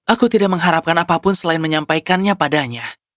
aku tidak mengharapkan apapun selain menyampaikannya padanya